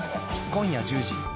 今夜１０時。